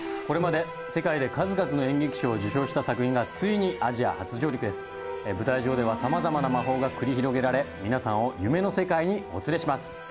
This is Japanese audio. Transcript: これまで世界で数々の演劇賞を受賞した作品がついにアジア初上陸舞台上では様々な魔法が繰り広げられ皆さんを夢の世界にお連れします